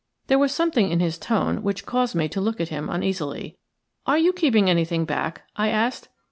There was something in his tone which caused me to look at him uneasily. "Are you keeping anything back?" I asked.